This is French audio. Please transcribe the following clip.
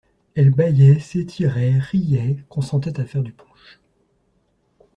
Elle baillait, s'étirait, riait, consentait à faire du punch.